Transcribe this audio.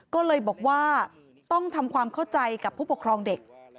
ก็เลยบอกว่าต้องทำความเข้าใจกับผู้ปกครองเด็ก